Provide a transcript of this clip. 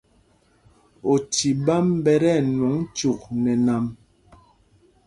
Oci ɓām ɓɛ ti ɛnwɔŋ cyûk nɛ nam.